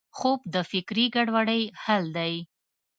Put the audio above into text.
خوب د فکري ګډوډۍ حل دی